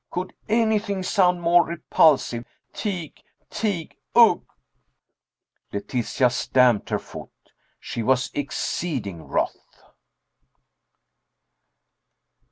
Could anything sound more repulsive? Tig! Tig! Ugh!" Letitia stamped her foot. She was exceeding wroth.